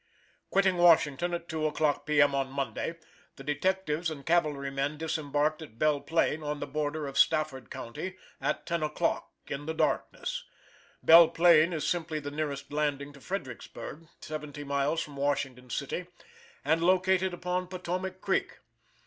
Quitting Washington at 2 o'clock P. M. on Monday, the detectives and cavalrymen disembarked at Belle Plain, on the border of Stafford county, at 10 o'clock, in the darkness. Belle Plain is simply the nearest landing to Fredericksburg, seventy miles from Washington city, and located upon Potomac creek.